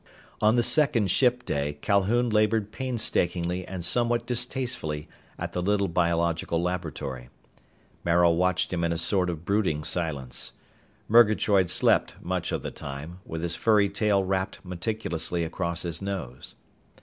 On the second ship day Calhoun labored painstakingly and somewhat distastefully at the little biological laboratory. Maril watched him in a sort of brooding silence. Murgatroyd slept much of the time, with his furry tail wrapped meticulously across his nose.